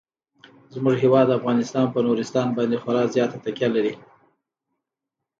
زموږ هیواد افغانستان په نورستان باندې خورا زیاته تکیه لري.